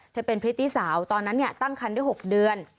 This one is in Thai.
เธอเป็นพฤติสาวตอนนั้นตั้งคันด้วย๖เดือน